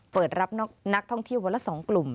เปิดรับนักท่องเที่ยววันละ๒กลุ่ม